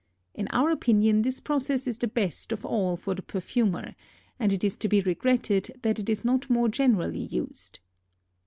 In our opinion this process is the best of all for the perfumer and it is to be regretted that it is not more generally used.